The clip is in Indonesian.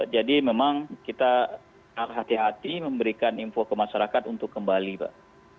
jadi memang kita harus hati hati memberikan info ke masyarakat untuk kembali pak